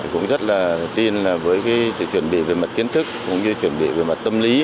cũng rất là tin với sự chuẩn bị về mặt kiến thức cũng như chuẩn bị về mặt tâm lý